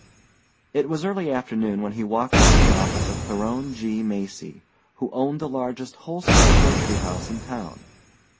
It was early afternoon when he walked into the office of Theron G. Macy, who owned the largest wholesale grocery house in town.